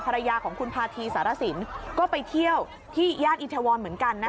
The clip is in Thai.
ภรรยาของคุณพาธีสารสินก็ไปเที่ยวที่ย่านอินทวรเหมือนกันนะคะ